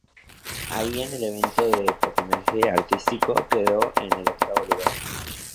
Allí en el evento de patinaje artístico quedó en el octavo lugar.